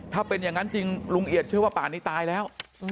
ถ้าเป็นอย่างนั้นจริงลุงเอียดเชื่อว่าป่านนี้ตายแล้ว